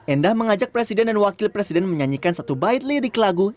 endah mengajak presiden dan wakil presiden menyanyikan satu bait lirik lagu